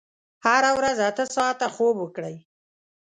هره ورځ اته ساعته خوب وکړئ.